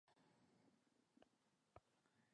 কোডটি University of Macau দ্বারা পরিচালিত।